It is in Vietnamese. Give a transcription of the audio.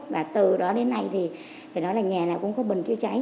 và từ đó đến nay thì nhà nào cũng có bần chữa cháy